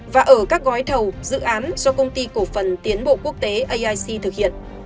và ở các gói thầu dự án do công ty cổ phần tiến bộ quốc tế aic thực hiện